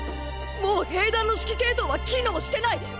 もう兵団の指揮系統は機能してない！！